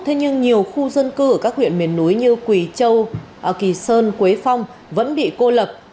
thế nhưng nhiều khu dân cư ở các huyện miền núi như quỳ châu kỳ sơn quế phong vẫn bị cô lập